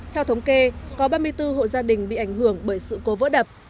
theo thống kê có ba mươi bốn hộ gia đình bị ảnh hưởng bởi sự cố vỡ đập